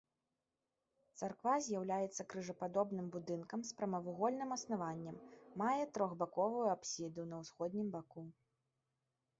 Царква з'яўляецца крыжападобным будынкам з прамавугольным аснаваннем, мае трохбаковую апсіду на ўсходнім баку.